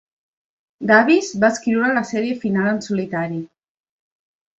Davis va escriure la sèrie final en solitari.